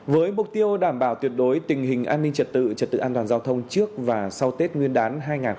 với mục tiêu đảm bảo tuyệt đối tình hình an ninh trật tự trật tự an toàn giao thông trước và sau tết nguyên đán hai nghìn hai mươi